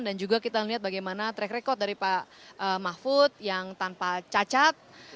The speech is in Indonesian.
dan juga kita lihat bagaimana track record dari pak mahfud yang tanpa cacat